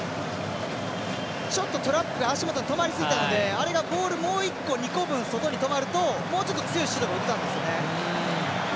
ちょっとトラップで足元に止まりすぎたので、あれがボール、もう１個２個分、外に止まるともうちょっと強いシュートも打てたんですよね。